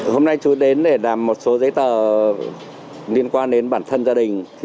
hôm nay chú đến để làm một số giấy tờ liên quan đến bản thân gia đình